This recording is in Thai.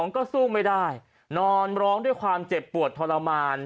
ก็สู้ไม่ได้นอนร้องด้วยความเจ็บปวดทรมาน